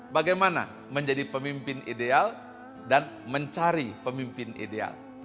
bagaimana menjadi pemimpin ideal dan mencari pemimpin ideal